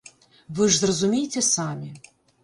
Вы ж зразумейце самі.